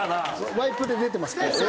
ワイプで出てます。